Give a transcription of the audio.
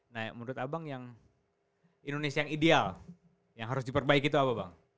nah menurut abang yang indonesia yang ideal yang harus diperbaiki itu apa bang